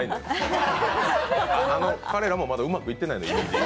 彼らもまだうまくいってないんですよね。